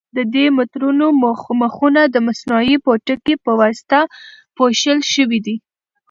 د دې مترونو مخونه د مصنوعي پوټکي په واسطه پوښل شوي دي.